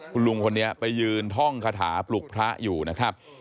คุณลุงคนนี้ไปยืนท่องคาถาปลุกพระอยู่นะครับ